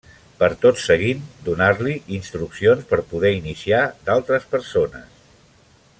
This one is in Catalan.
Per tot seguint donar-li instruccions per poder iniciar d’altres persones.